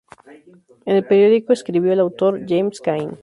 En el periódico, escribió el autor James Cain.